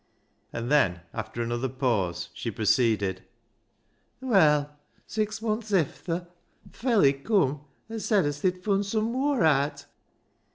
And then, after another pause, she proceeded —" Well, six munths efther, th' felley coom an' said as they'd fun' some mooar aat.